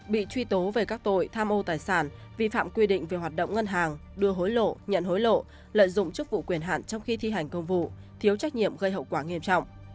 bị truy tố về các tội tham ô tài sản vi phạm quy định về hoạt động ngân hàng đưa hối lộ nhận hối lộ lợi dụng chức vụ quyền hạn trong khi thi hành công vụ thiếu trách nhiệm gây hậu quả nghiêm trọng